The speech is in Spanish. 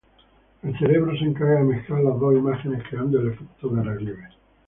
El cerebro se encarga de mezclar las dos imágenes creando el efecto de relieve.